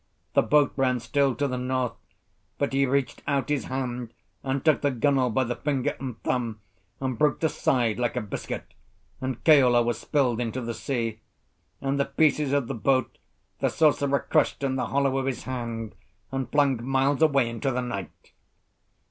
The boat ran still to the north, but he reached out his hand, and took the gunwale by the finger and thumb, and broke the side like a biscuit, and Keola was spilled into the sea. And the pieces of the boat the sorcerer crushed in the hollow of his hand and flung miles away into the night.